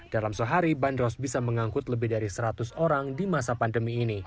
dalam sehari bandros bisa mengangkut lebih dari seratus orang di masa pandemi ini